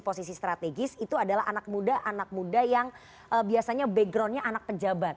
posisi strategis itu adalah anak muda anak muda yang biasanya backgroundnya anak pejabat